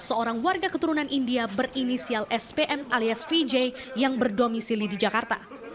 seorang warga keturunan india berinisial spm alias vj yang berdomisili di jakarta